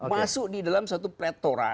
masuk di dalam satu pretora